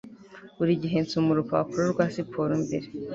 Buri gihe nsoma urupapuro rwa siporo mbere